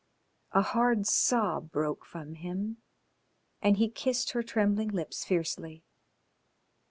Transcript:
A hard sob broke from him and he kissed her trembling lips fiercely.